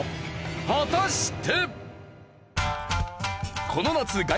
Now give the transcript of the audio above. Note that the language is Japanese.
果たして！？